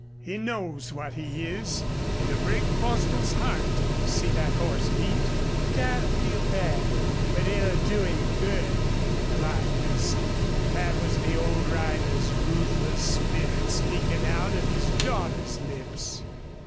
... He knows what he is. It'll break Bostil's heart to see that horse beat." "Dad'll feel bad, but it'll do him good," replied Lucy. That was the old rider's ruthless spirit speaking out of his daughter's lips.